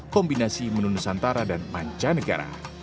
kombinasi menu nusantara dan mancanegara